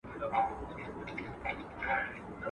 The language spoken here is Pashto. د مېړه خوی د زمري زړه غواړي.